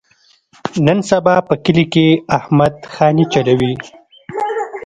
نن سبا په کلي کې احمد خاني چولي.